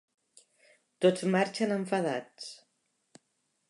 Tots marxen enfadats.